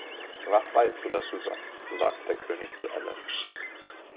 „Was weißt du darüber?“, sagte der König zu Alice.